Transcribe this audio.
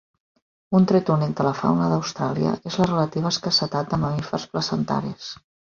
Un tret únic de la fauna d'Austràlia és la relativa escassetat de mamífers placentaris.